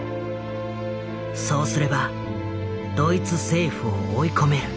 そうすればドイツ政府を追い込める。